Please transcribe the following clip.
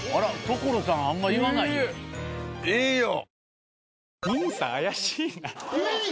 所さんあんま言わないよ。